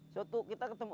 suatu kita ketemu